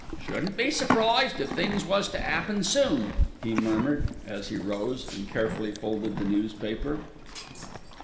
"Shouldn't be surprised if things was to 'appen soon," he murmured, as he rose and carefully folded the newspaper.